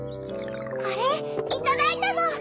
これいただいたの。